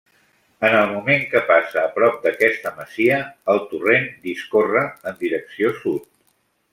En el moment que passa a prop d'aquesta masia, el torrent discorre en direcció sud.